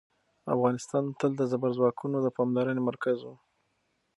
افغانستان تل د زبرځواکونو د پاملرنې مرکز و.